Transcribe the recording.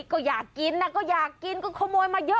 ก็อยากกินนะก็อยากกินก็ขโมยมาเยอะ